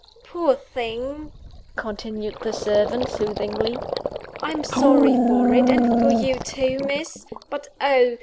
"Poor thing," continued the servant, soothingly, "I'm sorry for it, and for you too, Miss! But, oh!